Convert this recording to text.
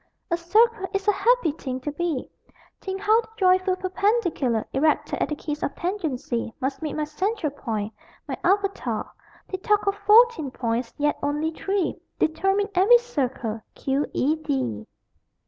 A circle is a happy thing to be Think how the joyful perpendicular Erected at the kiss of tangency Must meet my central point, my avatar! They talk of 14 points: yet only 3 Determine every circle: =Q. E. D.